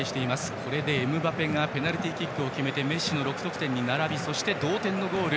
これでエムバペがペナルティーキックを決めてメッシの６得点に並びそして同点のゴール。